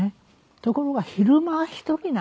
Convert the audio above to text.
ところが昼間は１人なんです。